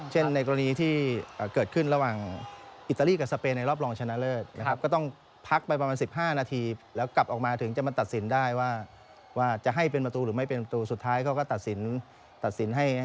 เช่นในตรงนี้ที่เกิดขึ้นระหว่างอิตาลีกับสเปนในรอบรองชนะเลิศ